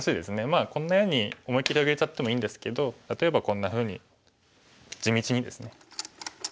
まあこんなように思い切り上げちゃってもいいんですけど例えばこんなふうに地道にですね